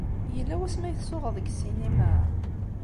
Yella wasmi ay tsuɣeḍ deg ssinima?